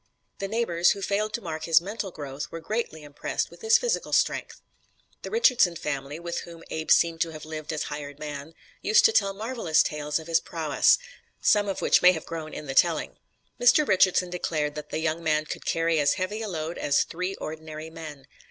The neighbors, who failed to mark his mental growth, were greatly impressed with his physical strength. The Richardson family, with whom Abe seemed to have lived as hired man, used to tell marvelous tales of his prowess, some of which may have grown somewhat in the telling. Mr. Richardson declared that the young man could carry as heavy a load as "three ordinary men."